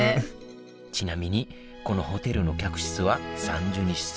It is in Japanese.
ちなみにこのホテルの客室は３２室。